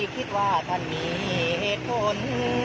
คิดว่าท่านมีเหตุผล